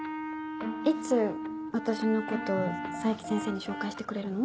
いつ私のこと冴木先生に紹介してくれるの？